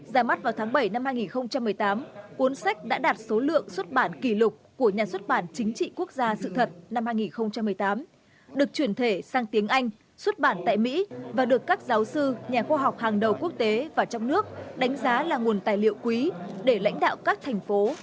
ra mắt vào tháng bảy năm hai nghìn một mươi tám cuốn sách đã đạt số lượng xuất bản kỷ lục của nhà xuất bản chính trị quốc gia sự thật năm hai nghìn một mươi tám được chuyển thể sang tiếng anh xuất bản tại mỹ và được các giáo sư nhà khoa học hàng đầu quốc tế và trong nước đánh giá là nguồn tài liệu quý để lãnh đạo các thành phố